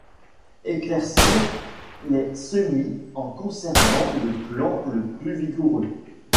Éclaircir les semis en conservant le plant le plus vigoureux.